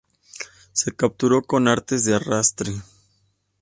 Se captura con artes de arrastre.